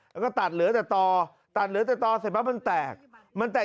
แล้วก็ตัดเหลือแต่ต่อตัดเหลือแต่ต่อเสร็จปั๊บมันแตกมันแตก